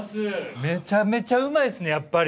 めちゃめちゃうまいですねやっぱり。